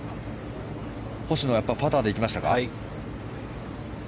星野はパターで行きましたか。